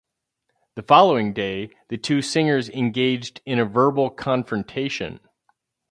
The following day, the two singers engaged in a verbal confrontation.